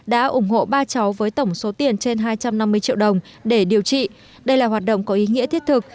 đã ủng hộ ba cháu với tổng số tiền trên hai trăm năm mươi triệu đồng để điều trị đây là hoạt động có ý nghĩa thiết thực